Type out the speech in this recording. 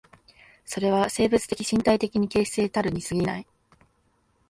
それは生物的身体的形成たるに過ぎない。